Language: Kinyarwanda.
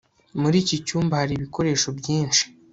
muri iki cyumba hari ibikoresho byinshi